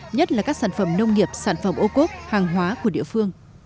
nhất là các sản phẩm nông nghiệp sản phẩm ô cốp hàng hóa của địa phương